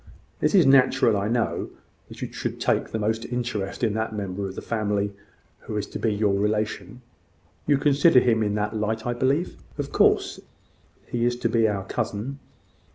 "It is natural, I know, that you should take the most interest in that member of the family who is to be your relation. You consider him in that light, I believe?" "Of course. He is to be our cousin."